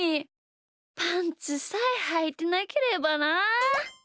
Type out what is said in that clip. パンツさえはいてなければなあ。